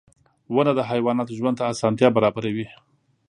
• ونه د حیواناتو ژوند ته اسانتیا برابروي.